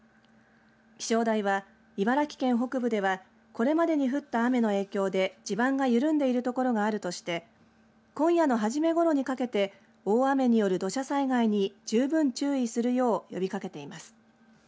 気象台は、茨城県北部ではこれまでに降った雨の影響で地盤が緩んでいる所があるとして今夜の初めごろにかけて大雨による土砂災害に十分注意するよう呼びかけています。